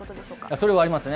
それはありますね。